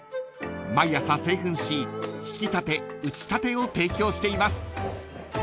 ［毎朝製粉しひきたて打ちたてを提供しています］